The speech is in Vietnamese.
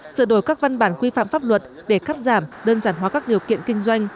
sửa đổi các văn bản quy phạm pháp luật để cắt giảm đơn giản hóa các điều kiện kinh doanh